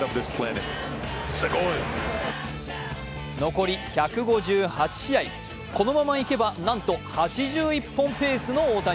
残り１５８試合、このままいけば、なんと８１本ペースの大谷。